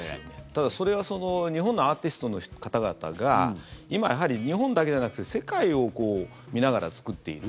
ただ、それは日本のアーティストの方々が今、やはり日本だけじゃなくて世界を見ながら作っている。